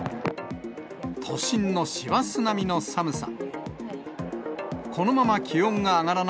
都心の師走並みの寒さ。